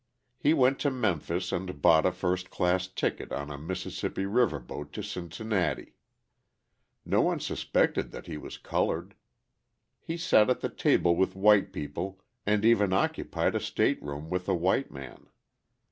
He went to Memphis and bought a first class ticket on a Mississippi River boat to Cincinnati. No one suspected that he was coloured; he sat at the table with white people and even occupied a state room with a white man.